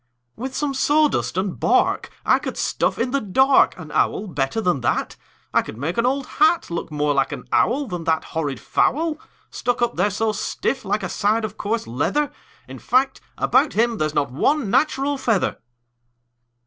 "With some sawdust and bark I could stuff in the dark An owl better than that. I could make an old hat Look more like an owl Than that horrid fowl, Stuck up there so stiff like a side of coarse leather. In fact, about him there's not one natural feather."